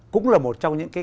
cũng là một trong những cái